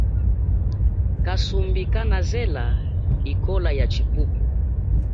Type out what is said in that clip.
Kasumbi kanazela ikola ya chipupu.